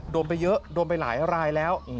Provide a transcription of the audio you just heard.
โดนไปเยอะโดนไปหลายรายแล้ว